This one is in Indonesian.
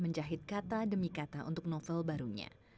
menjahit kata demi kata untuk novel barunya